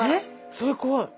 それ怖い。